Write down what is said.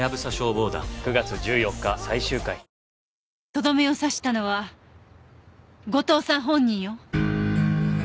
とどめを刺したのは後藤さん本人よ。